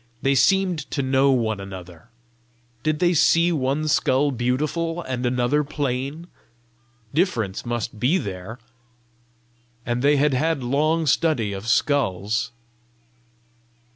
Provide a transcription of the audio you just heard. They seemed to know one another: did they see one skull beautiful, and another plain? Difference must be there, and they had had long study of skulls!